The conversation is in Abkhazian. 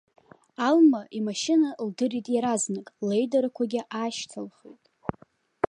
Алма имашьына лдырит иаразнак, леидарақәагьы аашьҭылхит.